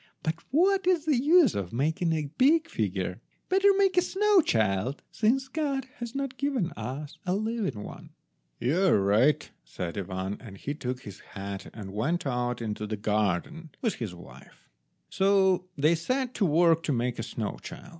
But what is the use of making a big figure? Better make a snow child, since God has not given us a living one." "You are right," said Ivan, and he took his hat and went out into the garden with his wife. So they set to work to make a snow child.